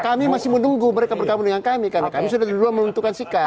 kami masih menunggu mereka bergabung dengan kami karena kami sudah dulu menentukan sikat